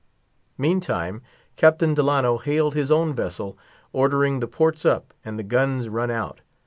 Meantime Captain Delano hailed his own vessel, ordering the ports up, and the guns run out.